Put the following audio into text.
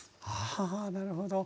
あなるほど。